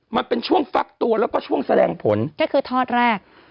มันเป็นช่วงฟักตัวแล้วก็ช่วงแสดงผลก็คือทอดแรก